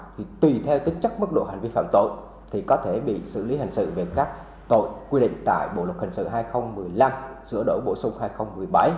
thì tùy theo tính chất mức độ hành vi phạm tội thì có thể bị xử lý hành sự về các tội quy định tại bộ luật hình sự hai nghìn một mươi năm sửa đổi bổ sung hai nghìn một mươi bảy